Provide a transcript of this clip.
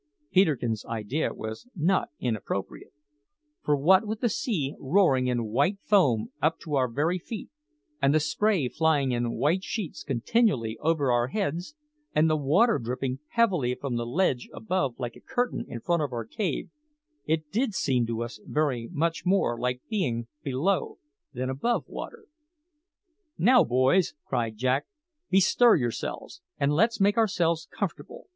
Peterkin's idea was not inappropriate, for what with the sea roaring in white foam up to our very feet, and the spray flying in white sheets continually over our heads, and the water dripping heavily from the ledge above like a curtain in front of our cave, it did seem to us very much more like being below than above water. "Now, boys," cried Jack, "bestir yourselves, and let's make ourselves comfortable.